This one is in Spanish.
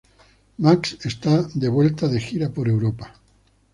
Maxx está de vuelta de gira por Europa.